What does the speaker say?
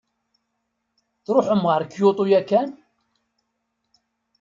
Tṛuḥem ɣer Kyoto yakan?